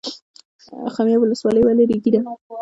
خمیاب ولسوالۍ ولې ریګي ده؟